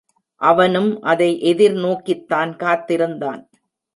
அவனும் அதை எதிர் நோக்கித்தான் காத்திருந்தான்.